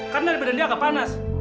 karena badannya agak panas